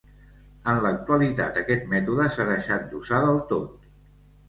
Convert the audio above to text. En l'actualitat aquest mètode s'ha deixat d'usar del tot.